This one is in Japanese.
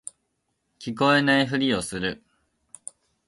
聞こえないふりをする